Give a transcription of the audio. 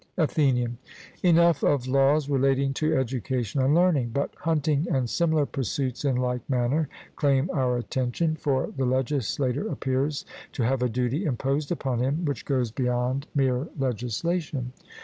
ATHENIAN: Enough of laws relating to education and learning. But hunting and similar pursuits in like manner claim our attention. For the legislator appears to have a duty imposed upon him which goes beyond mere legislation.